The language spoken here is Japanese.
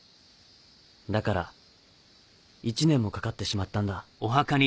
だから１年もかかってしまったんだ